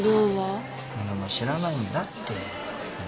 俺も知らないんだってホントに。